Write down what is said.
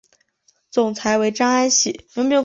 总裁为张安喜。